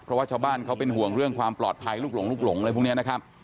เพราะว่าชาวบ้านเขาเป็นห่วงเรื่องความปลอดภัยลูกหลงลูกหลงอะไรพวกนี้นะครับ